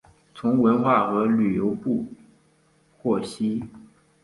从文化和旅游部获悉